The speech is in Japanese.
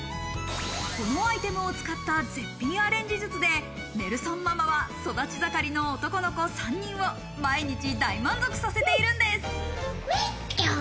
このアイテムを使った絶品アレンジ術でネルソンママは育ち盛りの男の子３人を毎日、大満足させているんです。